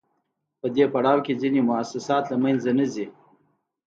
په دې پړاو کې ځینې موسسات له منځه نه ځي